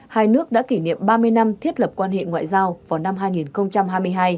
hai nước đã kỷ niệm ba mươi năm thiết lập quan hệ ngoại giao vào năm hai nghìn hai mươi hai